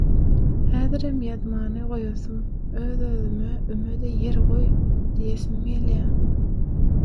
Häzirem ýazmany goýasym, öz-özüme «Üme-de ýer goý» diýesim gelýär.